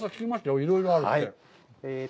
いろいろあるって。